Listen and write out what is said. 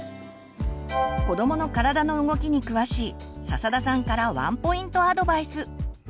子どもの体の動きに詳しい笹田さんからワンポイントアドバイス。